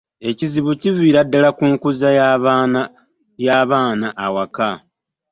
Ekizibu kiviira ddala ku nkuza y'abaana awaka.